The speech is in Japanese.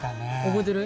覚えてる？